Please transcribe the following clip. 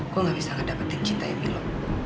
gue gak bisa gak dapetin cintanya milo